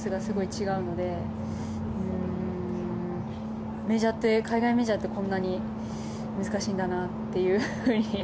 違うので海外メジャーってこんなに難しいんだなというふうに。